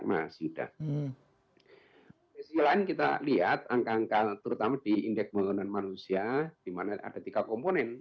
masih sudah kita lihat angka angka terutama di indeks pembangunan manusia dimana ada tiga komponen